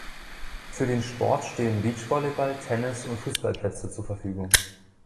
Für den Sport stehen Beachvolleyball-, Tennis- und Fußballplätze zur Verfügung.